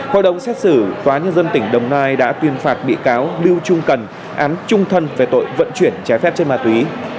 hội đồng xét xử tòa nhân dân tỉnh đồng nai đã tuyên phạt bị cáo lưu trung cần án trung thân về tội vận chuyển trái phép trên ma túy